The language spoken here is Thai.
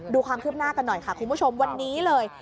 ดูความคืบหน้ากันหน่อยค่ะคุณผู้ชมวันนี้เลย